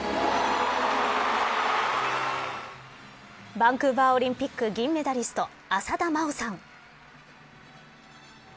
バンクーバーオリンピック銀メダリスト浅田真央さん。